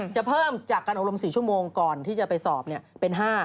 จะเพิ่มจากการอบรม๔ชั่วโมงก่อนที่จะไปสอบเป็น๕